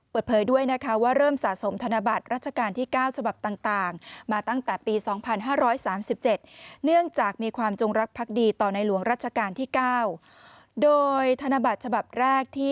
เปิดเพลย์ด้วยนะคะว่าเริ่มสะสมธนบัตรราชการที่๙ฉบับต่าง